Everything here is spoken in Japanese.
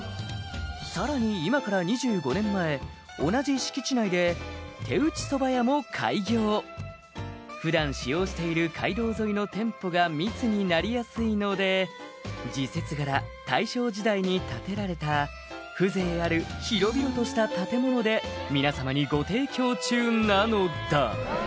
「さらに今から２５年前同じ敷地内で手打ちそば屋も開業」「普段使用している街道沿いの店舗が密になりやすいので時節柄大正時代に建てられた風情ある広々とした建物で皆様にご提供中なのだ」